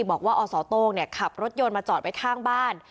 บอกว่าอสโต้งขับรถยนต์มาจอดไว้ข้างบ้าน